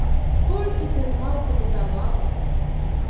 Колькі ты змалку бедаваў!